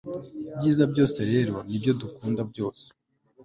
ibyiza byose rero nibyo dukunda byose